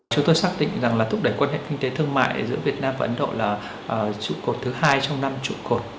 chúng tôi xác định rằng là thúc đẩy quan hệ kinh tế thương mại giữa việt nam và ấn độ là trụ cột thứ hai trong năm trụ cột